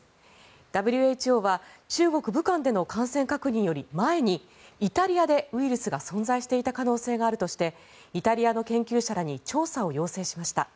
ＷＨＯは中国・武漢での感染確認より前にイタリアでウイルスが存在していた可能性があるとしてイタリアの研究者らに調査を要請しました。